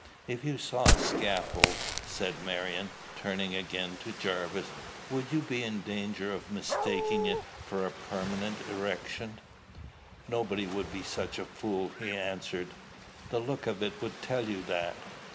"If you saw a scaffold," said Marion, turning again to Jarvis, "would you be in danger of mistaking it for a permanent erection?" "Nobody wouldn't be such a fool," he answered. "The look of it would tell you that."